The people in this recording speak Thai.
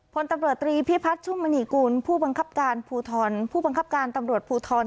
โพนตำรวจตรีพี่พัชชุมนิกูลผู้บังคับการตำรวจภูทร